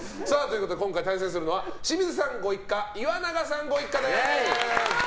今回対戦するのは清水さんご一家岩永さんご一家です。